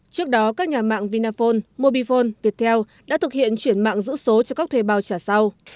trước đó các nhà mạng vinaphone mobifone viettel đã thực hiện chuyển mạng giữ số cho các thuê bao trả sau